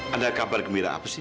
ada kabar gembira apa sih